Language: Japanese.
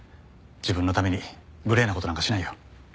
自分のためにグレーな事なんかしないよ。